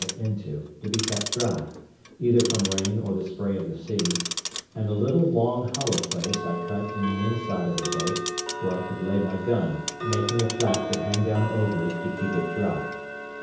into, to be kept dry, either from rain or the spray of the sea; and a little, long, hollow place I cut in the inside of the boat, where I could lay my gun, making a flap to hang down over it to keep it dry.